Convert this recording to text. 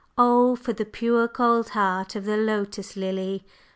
Oh, for the pure cold heart of the Lotus Lily!